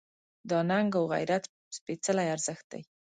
دا ننګ و غیرت سپېڅلی ارزښت دی.